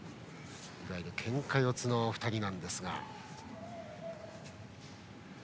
いわゆる、けんか四つの２人です。